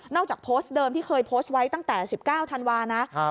จากโพสต์เดิมที่เคยโพสต์ไว้ตั้งแต่๑๙ธันวานะ